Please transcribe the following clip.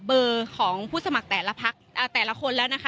เบอร์ของผู้สมัครแต่ละพักแต่ละคนแล้วนะคะ